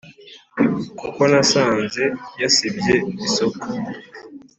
kuko nasanze yasibye isoko